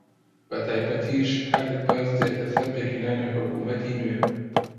بەتایبەتیش کاتێک باس دێتە سەر پێکهێنانی حکوومەتی نوێ